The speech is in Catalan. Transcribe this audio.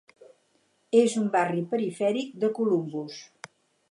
És un barri perifèric de Columbus.